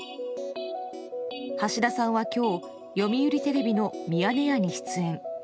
橋田さんはきょう、読売テレビのミヤネ屋に出演。